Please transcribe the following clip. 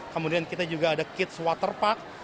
kemudian kita juga ada kids waterpark